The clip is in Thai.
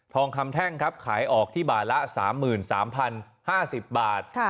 คำแท่งครับขายออกที่บาทละ๓๓๐๕๐บาท